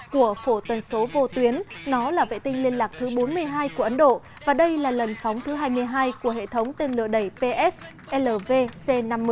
của phổ tần số vô tuyến nó là vệ tinh liên lạc thứ bốn mươi hai của ấn độ và đây là lần phóng thứ hai mươi hai của hệ thống tên lửa đẩy pslvc năm mươi